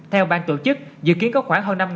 theo bang tổ chức dự kiến có khoảng hơn năm